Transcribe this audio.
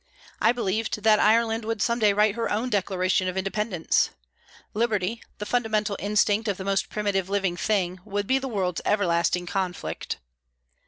I believed that Ireland would some day write her own Declaration of Independence. Liberty, the fundamental instinct of the most primitive living thing, would be the world's everlasting conflict.